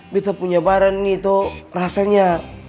bete punya barang ni toh rasanya